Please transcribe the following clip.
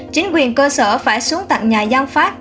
chính quyền cơ sở phải xuống tận nhà dân pháp